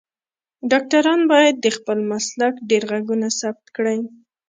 ډاکټران باید د خپل مسلک ډیر غږونه ثبت کړی